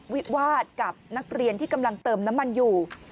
วิวาดกับนักเรียนที่กำลังเติมน้ำมันอยู่